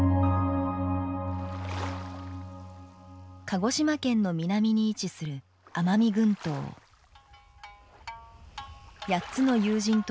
鹿児島県の南に位置する奄美群島。